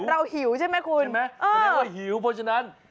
เราหิวใช่ไหมคุณใช่ไหมเออแนะว่าหิวเพราะฉะนั้น